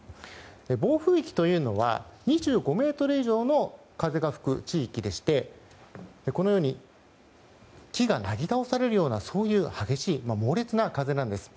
暴風域というのは２５メートル以上の風が吹く地域でして木がなぎ倒されるような激しい猛烈な風なんです。